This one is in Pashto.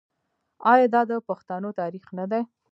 آیا دا د پښتنو تاریخ نه دی؟